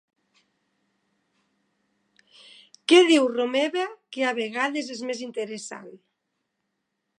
Què diu Romeva que a vegades és més interessant?